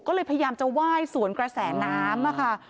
ก็เลยพยายามจะไหว้สวนกระแสน้ำค่ะ